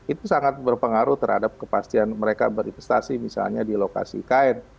itu sangat berpengaruh terhadap kepastian mereka berinvestasi misalnya di lokasi ikn